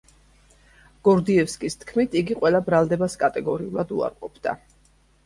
გორდიევსკის თქმით, იგი ყველა ბრალდებას კატეგორიულად უარყოფდა.